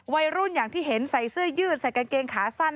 วัยรุ่นอย่างที่เห็นใส่เสื้อยืดใส่กางเกงขาสั้น